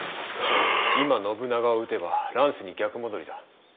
今信長を討てば乱世に逆戻りだ。